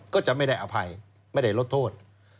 ก็จะไม่ได้อภัยไม่ได้ลดโทษ